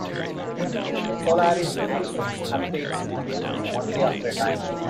Solaris accepts updates on entries only after a timeout.